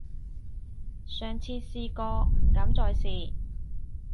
上次試過，唔敢再試